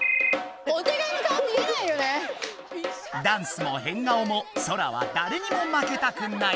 ダンスも変顔もソラはだれにも負けたくない！